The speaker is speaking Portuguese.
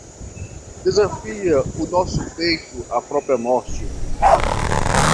Desafia o nosso peito a própria morte!